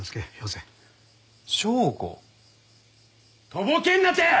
とぼけんなて！